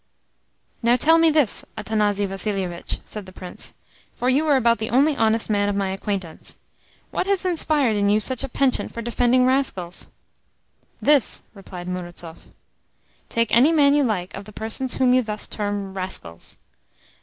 "Now, tell me this, Athanasi Vassilievitch," said the Prince, "for you are about the only honest man of my acquaintance. What has inspired in you such a penchant for defending rascals?" "This," replied Murazov. "Take any man you like of the persons whom you thus term rascals.